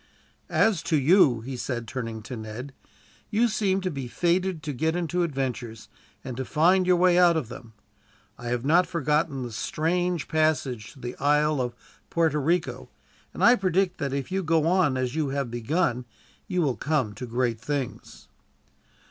"As to you," he said, turning to Ned, "you seem to be fated to get into adventures, and to find your way out of them. I have not forgotten the strange passage in the Island of Puerta Rico; and I predict that, if you go on as you have begun, you will come to great things."